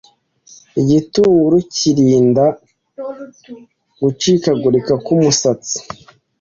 Igitunguru kirinda gucikagurika k’umusatsi.